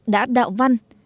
đã đạo văn